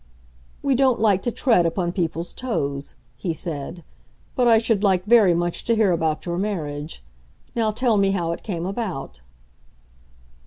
"We don't like to tread upon people's toes," he said. "But I should like very much to hear about your marriage. Now tell me how it came about."